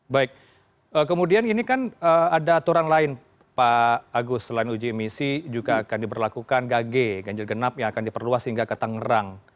baik kemudian ini kan ada aturan lain pak agus selain uji emisi juga akan diberlakukan gage ganjil genap yang akan diperluas hingga ke tangerang